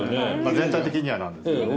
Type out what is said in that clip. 全体的にはなんですけどね。